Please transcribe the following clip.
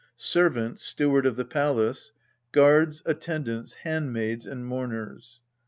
SERVANT, Steward of the Palace. Guards, Attendants, Handmaids, and Mourners.